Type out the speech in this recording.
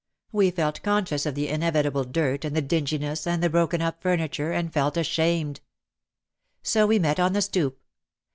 We felt conscious of the inevitable dirt and the dinginess and the broken up furniture and felt ashamed. So we met on the stoop.